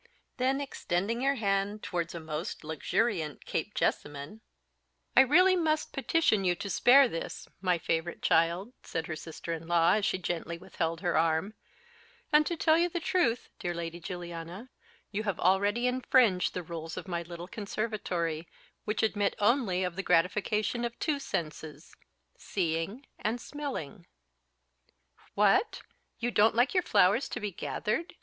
Then extending her hand towards a most luxuriant Cape jessamine "I must really petition you to spare this, my favourite child," said her sister in law, as she gently withheld her arm; "and, to tell you the truth, dear Lady Juliana, you have already infringed the rules of my little conservatory, which admit only of the gratification of two senses seeing and smelling." "What! don't you like your flowers to be gathered?"